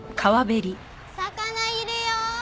魚いるよ！